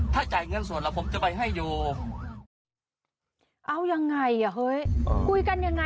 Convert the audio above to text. ถ้าจ่ายเงินส่วนแล้วผมจะไปให้อยู่เอายังไงอ่ะเฮ้ยคุยกันยังไง